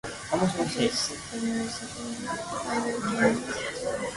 Batlle started in four of the five games in the tournament.